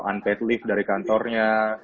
unpaid leave dari kantornya